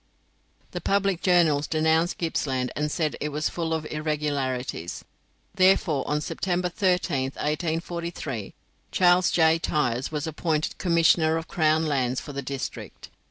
The public journals denounced Gippsland, and said it was full of irregularities. Therefore, on September 13th, 1843, Charles J. Tyers was appointed Commissioner of Crown Lands for the district.